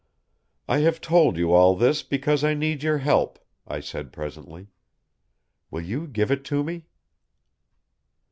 "I have told you all this because I need your help," I said presently. "Will you give it to me?"